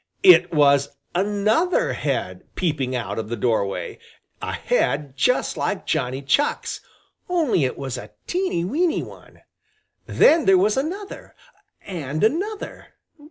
It was another head peeping out of the doorway, a head just like Johnny Chuck's, only it was a teeny weeny one. Then there was another and another!